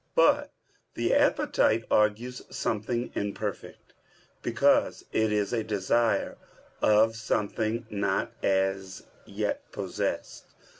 But the appetite argues something imperfect; because it is a desire of something not as yet possessed.